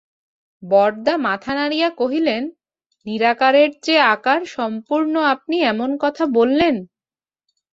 বরদা মাথা নাড়িয়া কহিলেন, নিরাকারের চেয়ে আকার সম্পূর্ণ আপনি এমন কথা বলেন?